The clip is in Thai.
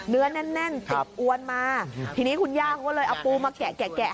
เนื้อนั่นติดอวนมาทีนี้คุณย่าก็เอาปูมาแกะ